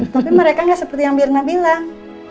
tapi mereka nggak seperti yang mirna bilang